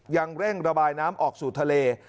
ยังเร่งระบายน้ำออกสู่ทะเล